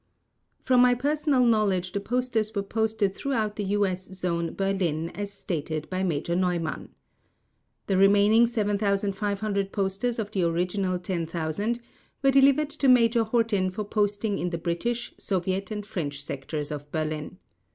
From my personal knowledge the posters were posted throughout the U.S. Zone, Berlin, as stated by Major Neumann. The remaining 7,500 posters of the original 10,000 were delivered to Major Hortin for posting in the British, Soviet, and French sectors of Berlin.